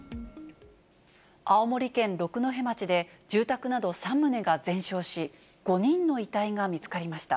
青森県六戸町で住宅など３棟が全焼し、５人の遺体が見つかりました。